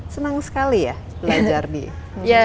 senang sekali ya belajar di